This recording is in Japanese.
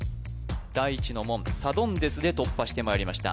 第一の門サドンデスで突破してまいりました